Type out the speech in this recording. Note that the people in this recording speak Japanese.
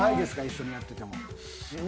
一緒にやってても。